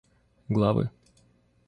главы